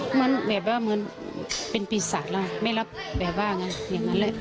เหมือนเป็นปีศาจแล้วไม่รับแบบบ้างอย่างนั้นเลย